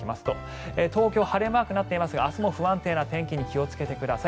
東京は晴れマークとなっていますが明日も不安定な天気に注意してください。